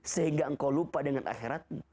sehingga engkau lupa dengan akhiratmu